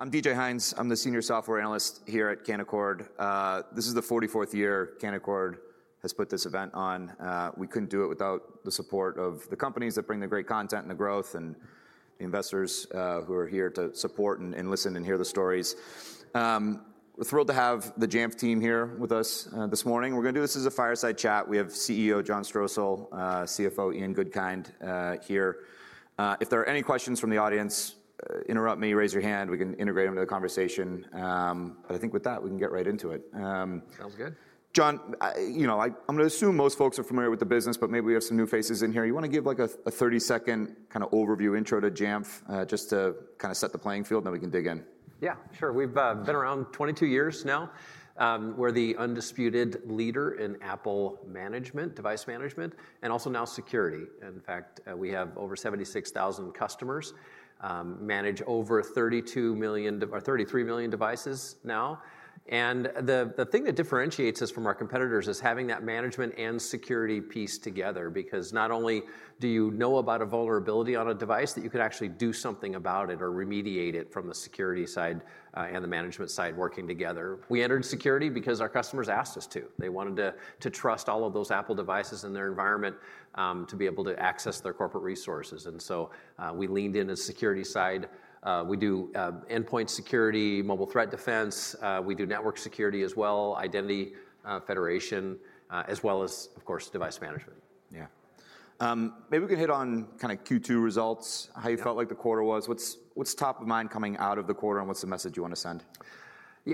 I'm DJ Hynes. I'm the senior software analyst here at Canaccord. This is the 44th year Canaccord has put this event on. We couldn't do it without the support of the companies that bring the great content and the growth, and the investors who are here to support and, and listen and hear the stories. We're thrilled to have the Jamf team here with us this morning. We're gonna do this as a fireside chat. We have CEO John Strosahl, CFO Ian Goodkind here. If there are any questions from the audience, interrupt me, raise your hand, we can integrate them into the conversation. But I think with that, we can get right into it. Sounds good. John, you know, I, I'm gonna assume most folks are familiar with the business, but maybe we have some new faces in here. You wanna give, like, a 30-second kind of overview intro to Jamf, just to kind of set the playing field, and then we can dig in? Yeah, sure. We've been around 22 years now. We're the undisputed leader in Apple management, device management, and also now security. In fact, we have over 76,000 customers, manage over 33 million devices now. And the thing that differentiates us from our competitors is having that management and security piece together, because not only do you know about a vulnerability on a device, that you could actually do something about it or remediate it from the security side, and the management side working together. We entered security because our customers asked us to. They wanted to trust all of those Apple devices in their environment, to be able to access their corporate resources, and so, we leaned in the security side. We do endpoint security, mobile threat defense, we do network security as well, identity federation, as well as, of course, device management. Yeah. Maybe we can hit on kind of Q2 results- Yeah how you felt like the quarter was. What's top of mind coming out of the quarter, and what's the message you want to send?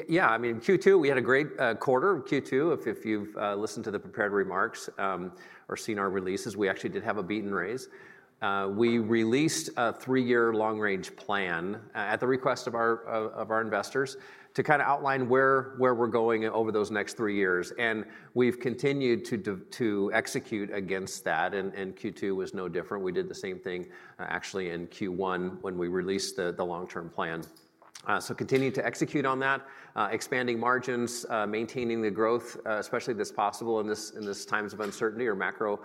Yeah, I mean, Q2, we had a great quarter. Q2, if you've listened to the prepared remarks or seen our releases, we actually did have a beat and raise. We released a three-year long range plan at the request of our investors, to kind of outline where we're going over those next three years, and we've continued to execute against that, and Q2 was no different. We did the same thing actually in Q1 when we released the long-term plan. So continuing to execute on that, expanding margins, maintaining the growth, especially that's possible in this times of uncertainty or macro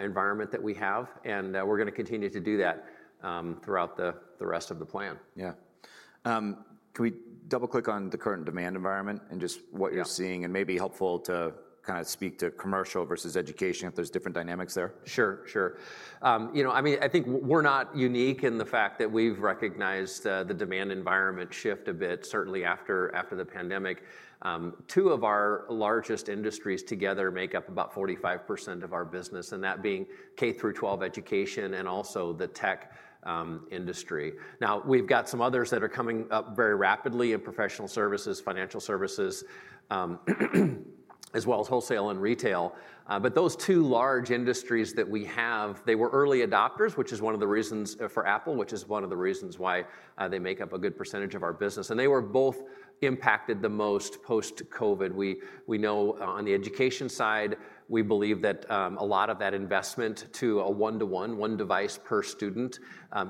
environment that we have, and we're gonna continue to do that throughout the rest of the plan. Yeah. Can we double-click on the current demand environment and just what- Yeah you're seeing, and may be helpful to kind of speak to commercial versus education, if there's different dynamics there? Sure, sure. You know, I mean, I think we're not unique in the fact that we've recognized the demand environment shift a bit, certainly after the pandemic. Two of our largest industries together make up about 45% of our business, and that being K through 12 education and also the tech industry. Now, we've got some others that are coming up very rapidly in professional services, financial services, as well as wholesale and retail. But those two large industries that we have, they were early adopters, which is one of the reasons for Apple, which is one of the reasons why they make up a good percentage of our business, and they were both impacted the most post-COVID. We know on the education side, we believe that a lot of that investment to a one-to-one, one device per student,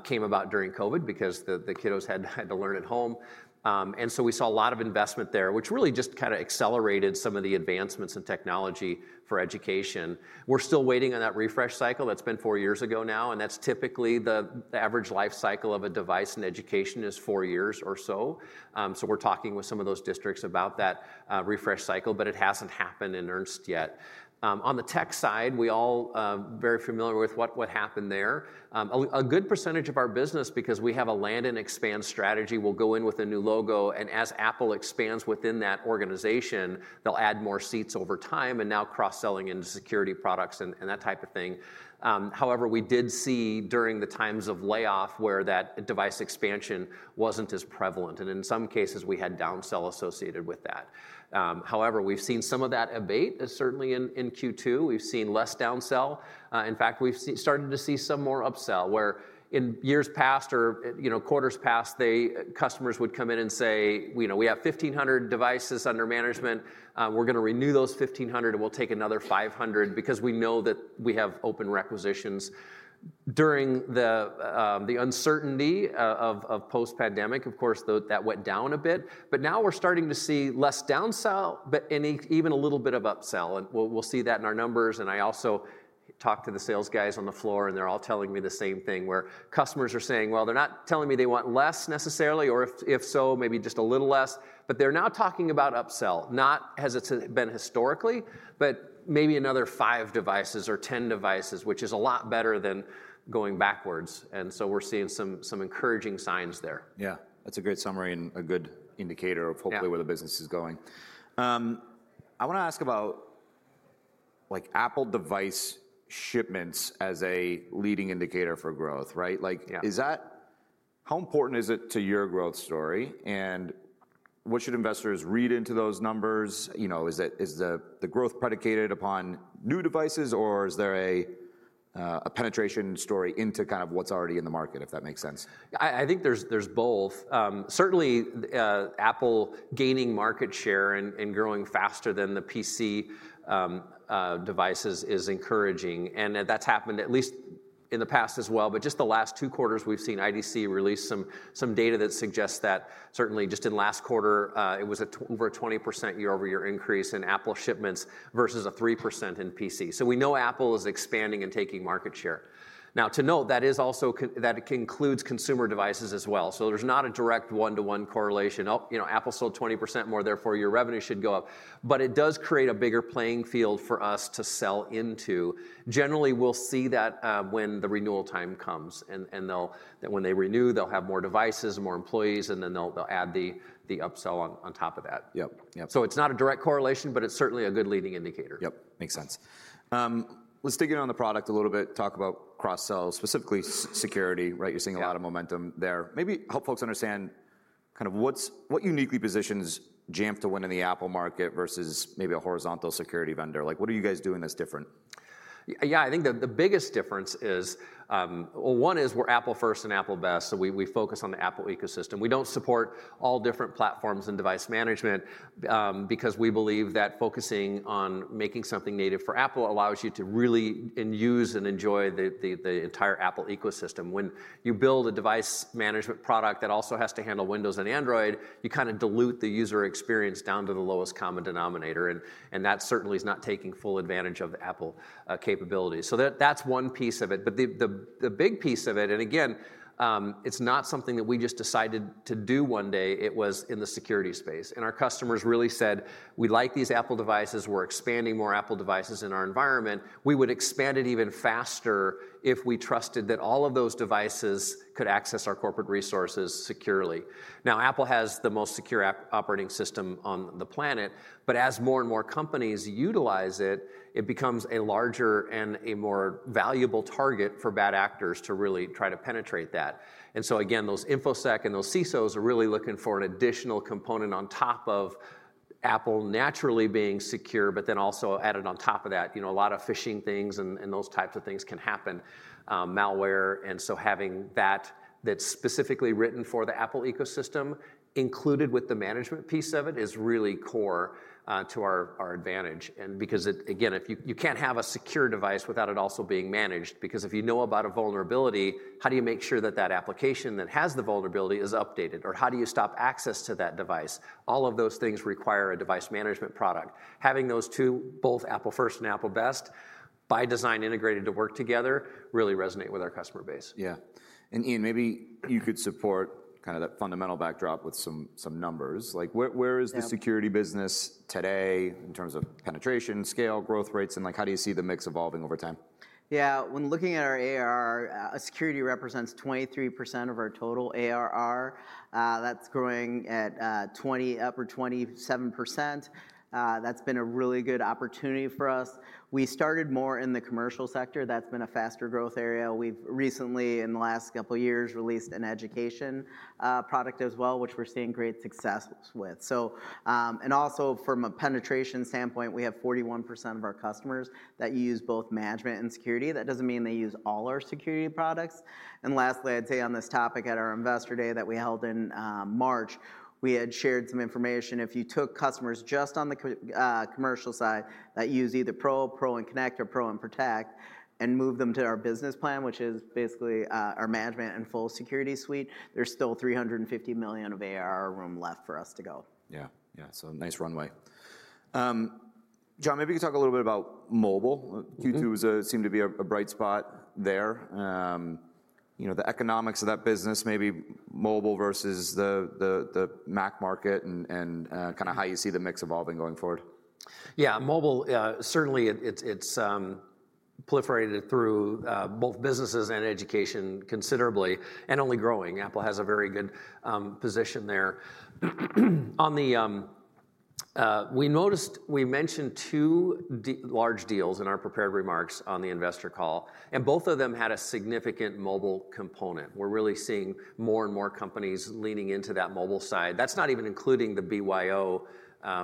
came about during COVID because the kiddos had to learn at home. And so we saw a lot of investment there, which really just kind of accelerated some of the advancements in technology for education. We're still waiting on that refresh cycle. That's been four years ago now, and that's typically the average life cycle of a device, and education is four years or so. So we're talking with some of those districts about that refresh cycle, but it hasn't happened in earnest yet. On the tech side, we all very familiar with what happened there. A good percentage of our business, because we have a land and expand strategy, we'll go in with a new logo, and as Apple expands within that organization, they'll add more seats over time, and now cross-selling into security products and that type of thing. However, we did see during the times of layoff where that device expansion wasn't as prevalent, and in some cases, we had downsell associated with that. However, we've seen some of that abate, as certainly in Q2, we've seen less downsell. In fact, we've started to see some more upsell, where in years past or, you know, quarters past, customers would come in and say, "You know, we have 1,500 devices under management. We're gonna renew those 1,500, and we'll take another 500 because we know that we have open requisitions." During the uncertainty of post-pandemic, of course, though, that went down a bit, but now we're starting to see less downsell, and even a little bit of upsell, and we'll see that in our numbers. And I also talk to the sales guys on the floor, and they're all telling me the same thing, where customers are saying... Well, they're not telling me they want less necessarily, or if so, maybe just a little less, but they're now talking about upsell. Not as it's been historically, but maybe another 5 devices or 10 devices, which is a lot better than going backwards, and so we're seeing some encouraging signs there. Yeah, that's a great summary and a good indicator of- Yeah hopefully where the business is going. I wanna ask about, like, Apple device shipments as a leading indicator for growth, right? Yeah. Like, how important is it to your growth story, and what should investors read into those numbers? You know, is the growth predicated upon new devices, or is there a penetration story into kind of what's already in the market, if that makes sense? I think there's both. Certainly, Apple gaining market share and growing faster than the PC devices is encouraging, and that's happened in the past as well, but just the last two quarters, we've seen IDC release some data that suggests that certainly just in last quarter, it was over a 20% year-over-year increase in Apple shipments versus a 3% in PC. So we know Apple is expanding and taking market share. Now, to note, that is also that includes consumer devices as well, so there's not a direct one-to-one correlation. Oh, you know, Apple sold 20% more, therefore your revenue should go up. But it does create a bigger playing field for us to sell into. Generally, we'll see that when the renewal time comes, when they renew, they'll have more devices, more employees, and then they'll add the upsell on top of that. Yep, yep. It's not a direct correlation, but it's certainly a good leading indicator. Yep, makes sense. Let's dig in on the product a little bit, talk about cross-sells, specifically security, right? Yeah. You're seeing a lot of momentum there. Maybe help folks understand kind of what's-- what uniquely positions Jamf to win in the Apple market versus maybe a horizontal security vendor. Like, what are you guys doing that's different? Yeah, I think the biggest difference is, well, one is we're Apple first and Apple best, so we focus on the Apple ecosystem. We don't support all different platforms and device management, because we believe that focusing on making something native for Apple allows you to really and use and enjoy the entire Apple ecosystem. When you build a device management product that also has to handle Windows and Android, you kinda dilute the user experience down to the lowest common denominator, and that certainly is not taking full advantage of the Apple capabilities. So that's one piece of it. But the big piece of it, and again, it's not something that we just decided to do one day, it was in the security space, and our customers really said: "We like these Apple devices. We're expanding more Apple devices in our environment. We would expand it even faster if we trusted that all of those devices could access our corporate resources securely." Now, Apple has the most secure Apple operating system on the planet, but as more and more companies utilize it, it becomes a larger and a more valuable target for bad actors to really try to penetrate that. And so again, those InfoSec and those CISOs are really looking for an additional component on top of Apple naturally being secure, but then also added on top of that. You know, a lot of phishing things and, and those types of things can happen, malware, and so having that, that's specifically written for the Apple ecosystem included with the management piece of it, is really core, to our, our advantage. And because it... Again, if you can't have a secure device without it also being managed, because if you know about a vulnerability, how do you make sure that that application that has the vulnerability is updated? Or how do you stop access to that device? All of those things require a device management product. Having those two, both Apple first and Apple best, by design integrated to work together, really resonate with our customer base. Yeah. And Ian, maybe you could support kind of that fundamental backdrop with some numbers. Like, where, where- Yeah is the security business today in terms of penetration, scale, growth rates, and, like, how do you see the mix evolving over time? Yeah. When looking at our ARR, security represents 23% of our total ARR. That's growing at upper 27%. That's been a really good opportunity for us. We started more in the commercial sector. That's been a faster growth area. We've recently, in the last couple of years, released an education product as well, which we're seeing great success with. So, and also from a penetration standpoint, we have 41% of our customers that use both management and security. That doesn't mean they use all our security products. And lastly, I'd say on this topic, at our Investor Day that we held in March, we had shared some information. If you took customers just on the commercial side that use either Pro, Pro and Connect, or Pro and Protect, and moved them to our Business Plan, which is basically our management and full security suite, there's still $350 million of ARR room left for us to go. Yeah, yeah, so nice runway. John, maybe you can talk a little bit about mobile. Mm-hmm. Q2 is seemed to be a bright spot there. You know, the economics of that business, maybe mobile versus the Mac market, and kind of how you see the mix evolving going forward. Yeah, mobile certainly it's proliferated through both businesses and education considerably, and only growing. Apple has a very good position there. On the, we mentioned two large deals in our prepared remarks on the investor call, and both of them had a significant mobile component. We're really seeing more and more companies leaning into that mobile side. That's not even including the BYO,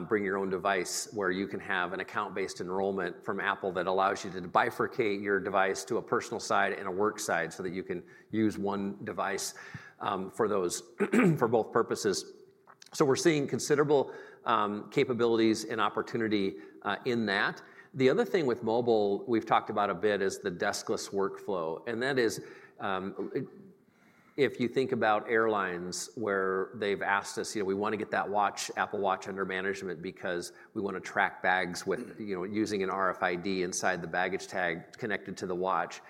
bring your own device, where you can have an account-based enrollment from Apple that allows you to bifurcate your device to a personal side and a work side, so that you can use one device for those, for both purposes. So we're seeing considerable capabilities and opportunity in that. The other thing with mobile we've talked about a bit is the deskless workflow, and that is, if you think about airlines, where they've asked us, you know, "We want to get that watch, Apple Watch under management because we want to track bags with, you know, using an RFID inside the baggage tag connected to the watch."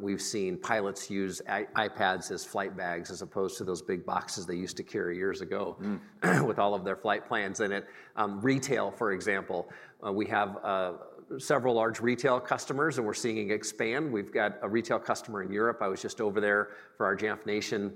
We've seen pilots use iPads as flight bags as opposed to those big boxes they used to carry years ago- Hmm with all of their flight plans in it. Retail, for example, we have several large retail customers, and we're seeing it expand. We've got a retail customer in Europe. I was just over there for our Jamf Nation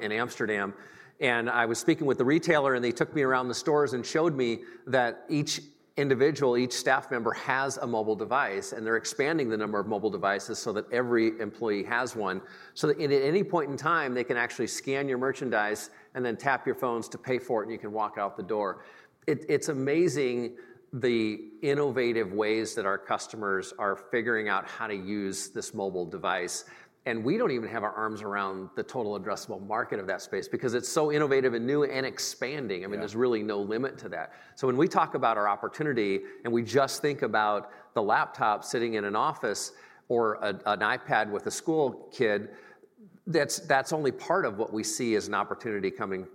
in Amsterdam, and I was speaking with the retailer, and they took me around the stores and showed me that each individual, each staff member, has a mobile device, and they're expanding the number of mobile devices so that every employee has one, so that at any point in time, they can actually scan your merchandise and then tap your phones to pay for it, and you can walk out the door. It's amazing the innovative ways that our customers are figuring out how to use this mobile device, and we don't even have our arms around the total addressable market of that space because it's so innovative and new and expanding. Yeah. I mean, there's really no limit to that. So when we talk about our opportunity, and we just think about the laptop sitting in an office or an iPad with a school kid—that's only part of what we see as an opportunity coming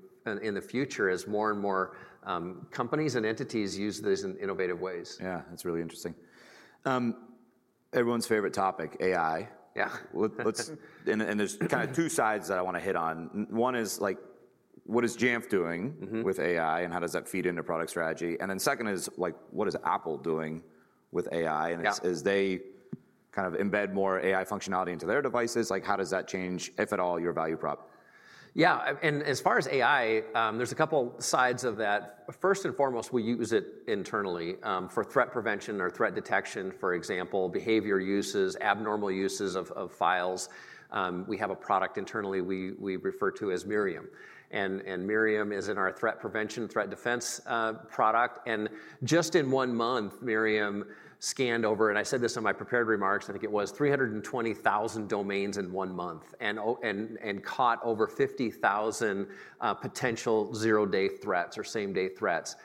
in the future as more and more companies and entities use these in innovative ways. Yeah, that's really interesting. Everyone's favorite topic: AI. Yeah. Let's, and there's kind of two sides that I want to hit on. One is like, what is Jamf doing- Mm-hmm with AI, and how does that feed into product strategy? And then second is like, what is Apple doing with AI? Yeah. As they kind of embed more AI functionality into their devices, like how does that change, if at all, your value prop? Yeah, as far as AI, there's a couple sides of that. First and foremost, we use it internally, for threat prevention or threat detection, for example, behavior uses, abnormal uses of files. We have a product internally, we refer to as MI:RIAM, and MI:RIAM is in our threat prevention, threat defense, product. And just in one month, MI:RIAM scanned over—and I said this in my prepared remarks, I think it was 320,000 domains in one month, and caught over 50,000 potential zero-day threats or same-day threats.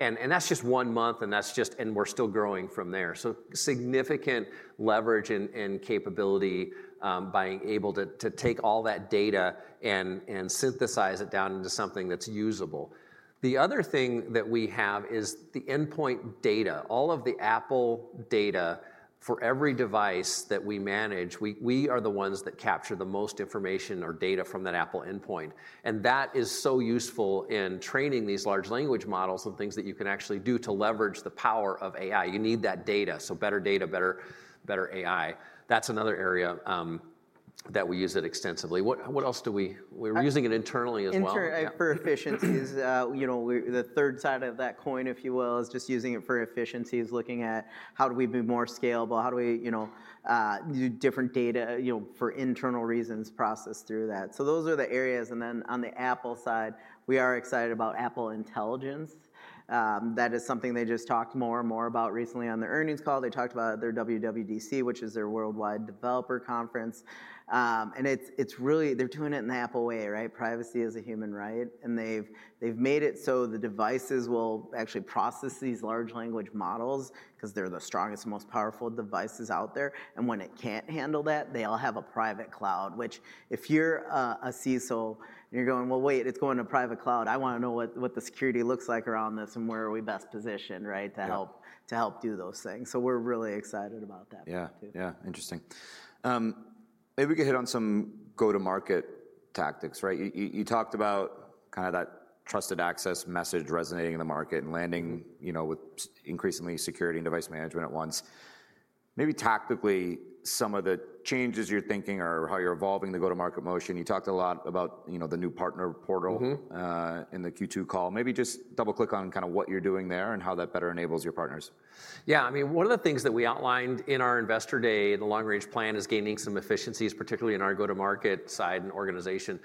And that's just one month, and that's just. And we're still growing from there. So significant leverage and capability, by being able to take all that data and synthesize it down into something that's usable. The other thing that we have is the endpoint data. All of the Apple data for every device that we manage, we are the ones that capture the most information or data from that Apple endpoint, and that is so useful in training these large language models and things that you can actually do to leverage the power of AI. You need that data, so better data, better AI. That's another area that we use it extensively. What else do we... We're using it internally as well. Internally for efficiencies, you know, the third side of that coin, if you will, is just using it for efficiencies, looking at how do we be more scalable, how do we, you know, do different data, you know, for internal reasons, process through that. So those are the areas, and then on the Apple side, we are excited about Apple Intelligence. That is something they just talked more and more about recently on their earnings call. They talked about their WWDC, which is their Worldwide Developer Conference. And it's really, they're doing it in the Apple way, right? Privacy is a human right, and they've made it so the devices will actually process these large language models, 'cause they're the strongest, most powerful devices out there. When it can't handle that, they all have a private cloud, which if you're a CISO, and you're going, "Well, wait, it's going to private cloud, I wanna know what the security looks like around this, and where are we best positioned," right? Yeah. To help, to help do those things. So we're really excited about that part too. Yeah. Yeah, interesting. Maybe we could hit on some go-to-market tactics, right? You, you, you talked about kind of that trusted access message resonating in the market and landing- Mm you know, with increasingly security and device management at once. Maybe tactically, some of the changes you're thinking or how you're evolving the go-to-market motion. You talked a lot about, you know, the new partner portal- Mm-hmm... in the Q2 call. Maybe just double-click on kind of what you're doing there and how that better enables your partners. Yeah, I mean, one of the things that we outlined in our Investor Day, the long-range plan, is gaining some efficiencies, particularly in our go-to-market side and organization,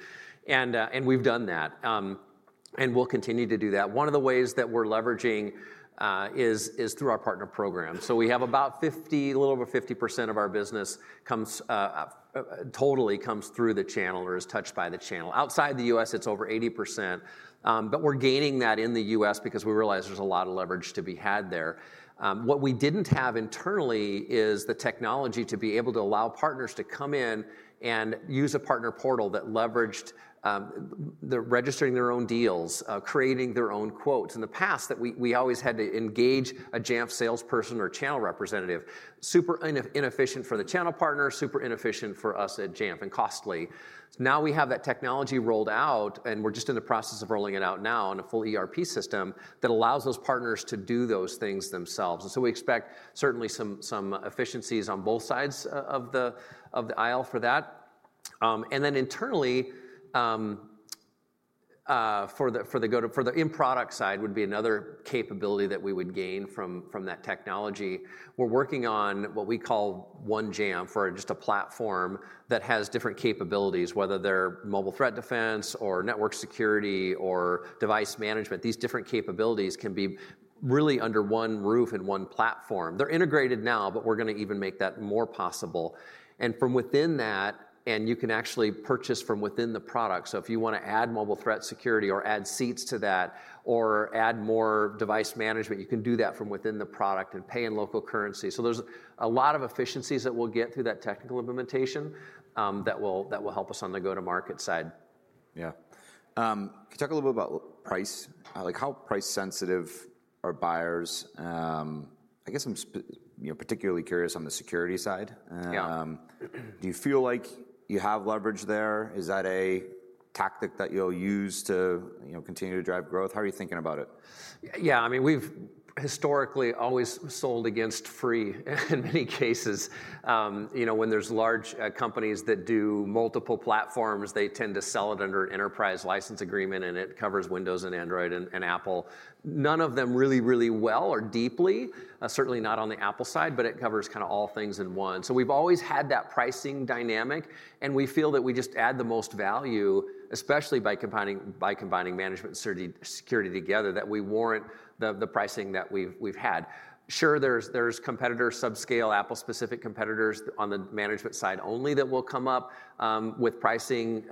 and we've done that. And we'll continue to do that. One of the ways that we're leveraging is through our partner program. So we have about 50, a little over 50% of our business comes totally through the channel or is touched by the channel. Outside the US, it's over 80%. But we're gaining that in the US because we realize there's a lot of leverage to be had there. What we didn't have internally is the technology to be able to allow partners to come in and use a partner portal that leveraged registering their own deals, creating their own quotes. In the past, we always had to engage a Jamf salesperson or channel representative. Super inefficient for the channel partner, super inefficient for us at Jamf, and costly. Now, we have that technology rolled out, and we're just in the process of rolling it out now in a full ERP system that allows those partners to do those things themselves. And so we expect certainly some efficiencies on both sides of the aisle for that. And then internally, for the in-product side would be another capability that we would gain from that technology. We're working on what we call One Jamf, or just a platform that has different capabilities, whether they're mobile threat defense or network security or device management. These different capabilities can be really under one roof and one platform. They're integrated now, but we're gonna even make that more possible. And from within that and you can actually purchase from within the product, so if you wanna add mobile threat security or add seats to that, or add more device management, you can do that from within the product and pay in local currency. So there's a lot of efficiencies that we'll get through that technical implementation, that will, that will help us on the go-to-market side. Yeah. Can you talk a little bit about price? Like, how price sensitive are buyers? I guess I'm, you know, particularly curious on the security side. Yeah. Do you feel like you have leverage there? Is that a tactic that you'll use to, you know, continue to drive growth? How are you thinking about it? Yeah, I mean, we've historically always sold against free in many cases. You know, when there's large companies that do multiple platforms, they tend to sell it under an enterprise license agreement, and it covers Windows and Android and Apple. None of them really, really well or deeply, certainly not on the Apple side, but it covers kinda all things in one. So we've always had that pricing dynamic, and we feel that we just add the most value, especially by combining management and security together, that we warrant the pricing that we've had. Sure, there's competitors, subscale Apple-specific competitors on the management side only that will come up with pricing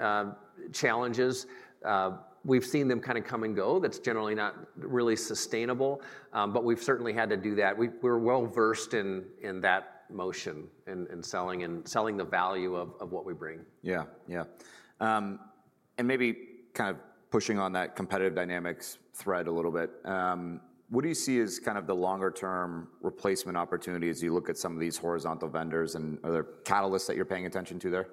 challenges. We've seen them kind of come and go. That's generally not really sustainable, but we've certainly had to do that. We're well-versed in that motion, in selling and selling the value of what we bring. Yeah. Yeah. And maybe kind of pushing on that competitive dynamics thread a little bit, what do you see as kind of the longer-term replacement opportunity as you look at some of these horizontal vendors, and are there catalysts that you're paying attention to there?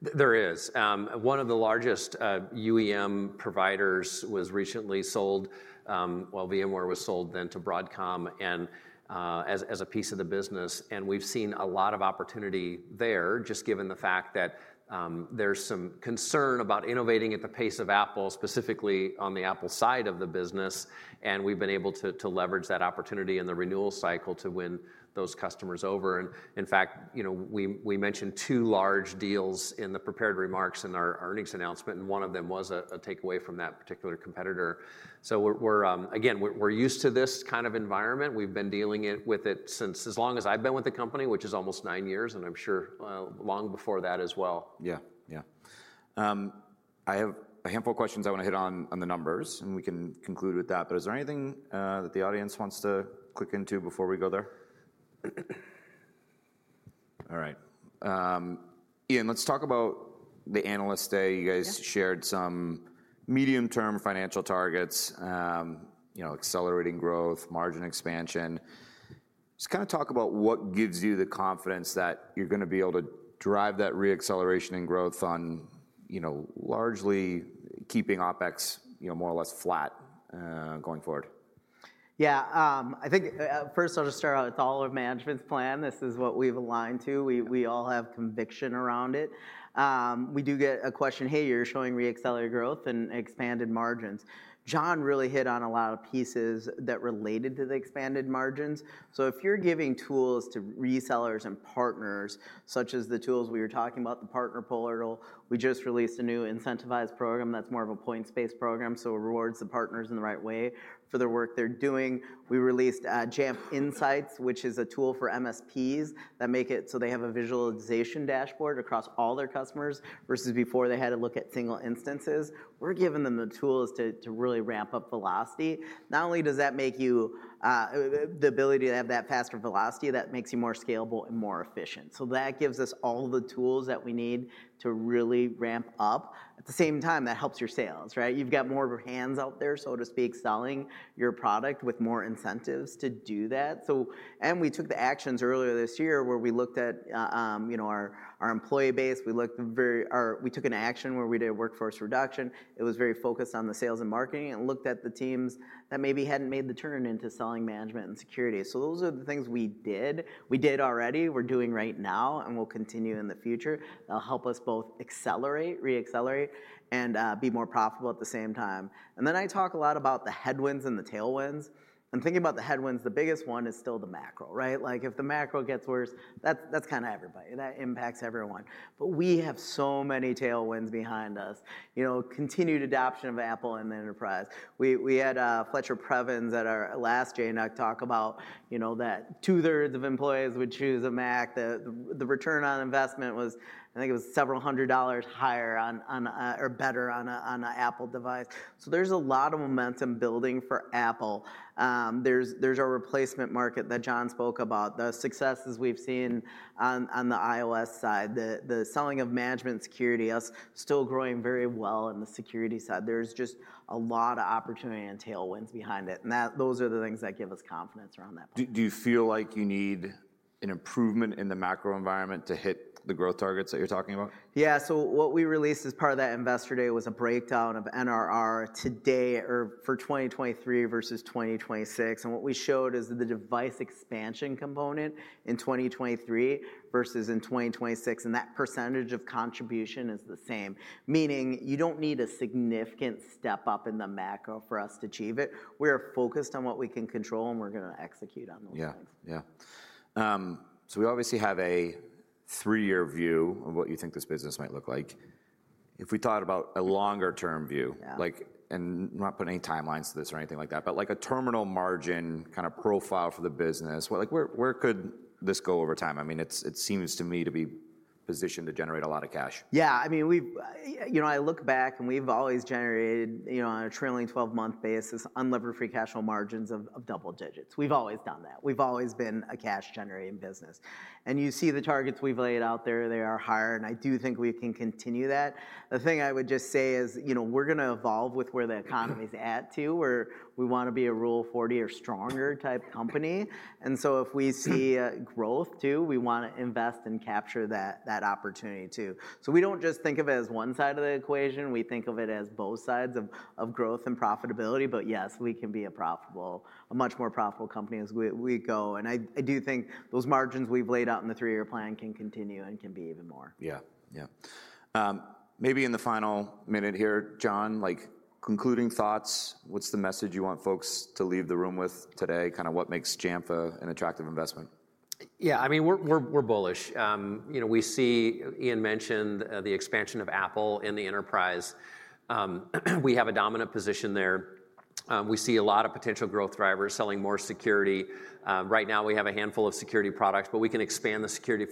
There, there is. One of the largest UEM providers was recently sold, well, VMware was sold then to Broadcom, and as a piece of the business, and we've seen a lot of opportunity there, just given the fact that there's some concern about innovating at the pace of Apple, specifically on the Apple side of the business, and we've been able to leverage that opportunity in the renewal cycle to win those customers over. And in fact, you know, we mentioned two large deals in the prepared remarks in our earnings announcement, and one of them was a takeaway from that particular competitor. So we're again used to this kind of environment. We've been dealing with it since as long as I've been with the company, which is almost nine years, and I'm sure long before that as well. Yeah. Yeah. I have a handful of questions I want to hit on, on the numbers, and we can conclude with that, but is there anything that the audience wants to click into before we go there? All right. Ian, let's talk about the Analyst Day. Yeah. You guys shared some medium-term financial targets, you know, accelerating growth, margin expansion. Just kind of talk about what gives you the confidence that you're gonna be able to drive that reacceleration and growth on, you know, largely keeping OpEx, you know, more or less flat, going forward. Yeah, I think, first I'll just start out, it's all our management's plan. This is what we've aligned to. We all have conviction around it. We do get a question: "Hey, you're showing reaccelerated growth and expanded margins." John really hit on a lot of pieces that related to the expanded margins. So if you're giving tools to resellers and partners, such as the tools we were talking about, the partner portal, we just released a new incentivized program that's more of a points-based program, so it rewards the partners in the right way for the work they're doing. We released Jamf Insights, which is a tool for MSPs that make it so they have a visualization dashboard across all their customers, versus before they had to look at single instances. We're giving them the tools to really ramp up velocity. Not only does that make you. The ability to have that faster velocity, that makes you more scalable and more efficient. So that gives us all the tools that we need to really ramp up. At the same time, that helps your sales, right? You've got more hands out there, so to speak, selling your product with more incentives to do that. We took the actions earlier this year, where we looked at, you know, our employee base. Or we took an action where we did a workforce reduction. It was very focused on the sales and marketing, and looked at the teams that maybe hadn't made the turn into selling management and security. So those are the things we did, we did already, we're doing right now, and will continue in the future, that'll help us both accelerate, reaccelerate, and, be more profitable at the same time. And then I talk a lot about the headwinds and the tailwinds. And thinking about the headwinds, the biggest one is still the macro, right? Like, if the macro gets worse, that's kinda everybody. That impacts everyone. But we have so many tailwinds behind us. You know, continued adoption of Apple and the enterprise. We had Fletcher Previn at our last JNUC talk about, you know, that two-thirds of employees would choose a Mac, that the return on investment was, I think it was $several hundred higher on, on a-- or better on a, on a Apple device. So there's a lot of momentum building for Apple. There's a replacement market that John spoke about, the successes we've seen on the iOS side, the selling of management security, us still growing very well in the security side. There's just a lot of opportunity and tailwinds behind it, and that those are the things that give us confidence around that point. Do you feel like you need an improvement in the macro environment to hit the growth targets that you're talking about? Yeah, so what we released as part of that Investor Day was a breakdown of NRR today, or for 2023 versus 2026, and what we showed is the device expansion component in 2023 versus in 2026, and that percentage of contribution is the same, meaning you don't need a significant step up in the macro for us to achieve it. We're focused on what we can control, and we're gonna execute on those things. Yeah. Yeah. So we obviously have a three-year view of what you think this business might look like. If we thought about a longer-term view- Yeah... like, and I'm not putting any timelines to this or anything like that, but, like, a terminal margin kind of profile for the business, where could this go over time? I mean, it's, it seems to me to be positioned to generate a lot of cash. Yeah. I mean, we've, you know, I look back, and we've always generated, you know, on a trailing twelve-month basis, unlevered free cash flow margins of double digits. We've always done that. We've always been a cash-generating business. And you see the targets we've laid out there, they are higher, and I do think we can continue that. The thing I would just say is, you know, we're gonna evolve with where the economy's at too, where we wanna be a Rule 40 or stronger type company. And so if we see growth too, we wanna invest and capture that opportunity too. So we don't just think of it as one side of the equation, we think of it as both sides of growth and profitability. But yes, we can be a profitable, a much more profitable company as we go. I do think those margins we've laid out in the three-year plan can continue and can be even more. Yeah. Yeah. Maybe in the final minute here, John, like, concluding thoughts, what's the message you want folks to leave the room with today? Kind of what makes Jamf an attractive investment? Yeah, I mean, we're bullish. You know, we see, Ian mentioned, the expansion of Apple in the enterprise. We have a dominant position there. We see a lot of potential growth drivers, selling more security. Right now we have a handful of security products, but we can expand the security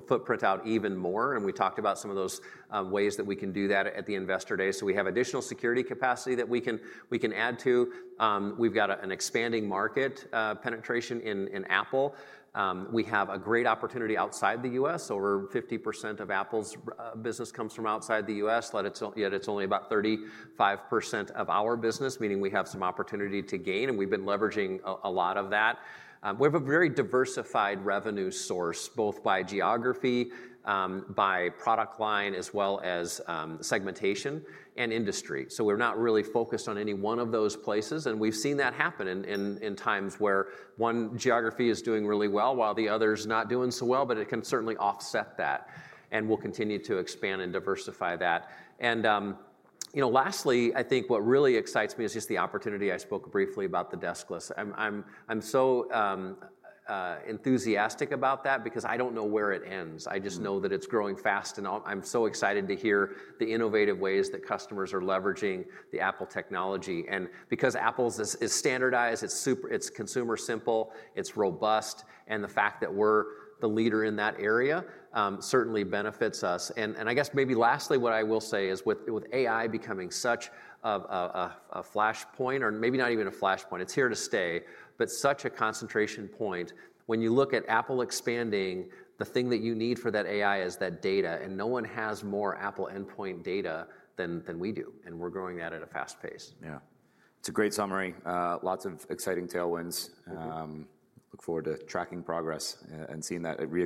footprint out even more, and we talked about some of those ways that we can do that at the Investor Day. So we have additional security capacity that we can add to. We've got an expanding market penetration in Apple. We have a great opportunity outside the U.S. Over 50% of Apple's business comes from outside the U.S., yet it's only about 35% of our business, meaning we have some opportunity to gain, and we've been leveraging a lot of that. We have a very diversified revenue source, both by geography, by product line, as well as, segmentation and industry. So we're not really focused on any one of those places, and we've seen that happen in times where one geography is doing really well while the other's not doing so well, but it can certainly offset that, and we'll continue to expand and diversify that. You know, lastly, I think what really excites me is just the opportunity. I spoke briefly about the deskless. I'm so enthusiastic about that because I don't know where it ends. Mm. I just know that it's growing fast, and I'm so excited to hear the innovative ways that customers are leveraging the Apple technology. And because Apple's is standardized, it's consumer simple, it's robust, and the fact that we're the leader in that area certainly benefits us. And I guess maybe lastly, what I will say is with AI becoming such a flashpoint, or maybe not even a flashpoint, it's here to stay, but such a concentration point, when you look at Apple expanding, the thing that you need for that AI is that data, and no one has more Apple endpoint data than we do, and we're growing that at a fast pace. Yeah. It's a great summary. Lots of exciting tailwinds. Mm-hmm. Look forward to tracking progress and seeing that it real